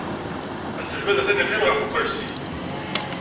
Aselmad atan yeqqim ɣef ukersi.